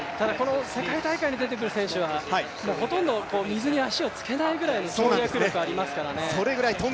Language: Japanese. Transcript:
世界大会に出てくる選手はほとんど水に足をつけないぐらいの跳躍力がありますからね。